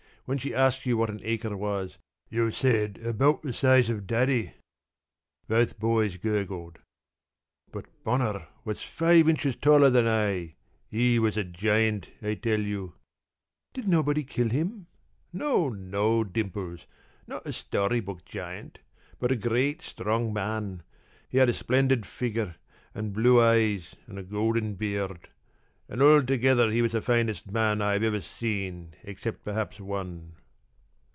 When she asked you what an acre was you said 'Abqut the size of Daddy.'" Both boys gurgled. "But Bonner was five inches taller than I. He was a giant, I tell you." "Did nobody kill him?" "No, no, Dimples. Not a story book giant. But a great, strong man. He had a splendid figure and blue eyes and a golden beard, and altogether he was the finest man I have ever seen except perhaps one."